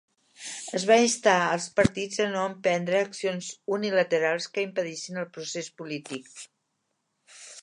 Es va instar als partits a no emprendre accions unilaterals que impedissin el procés polític.